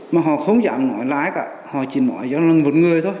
mà họ không dám nói ai cả họ chỉ nói một người thôi